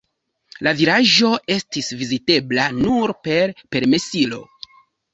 La vilaĝo estis vizitebla nur per permesilo.